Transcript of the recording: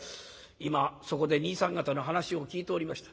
「今そこで兄さん方の話を聞いておりました。